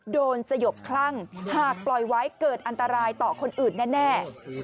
สยบคลั่งหากปล่อยไว้เกิดอันตรายต่อคนอื่นแน่